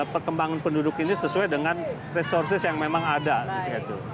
perkembangan penduduk ini sesuai dengan resources yang memang ada di situ